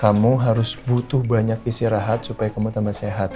kamu harus butuh banyak istirahat supaya kamu tambah sehat